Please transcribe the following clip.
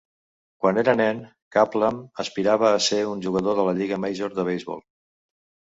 Quan era nen, Kaplan aspirava a ser un jugador de la Lliga major de beisbol.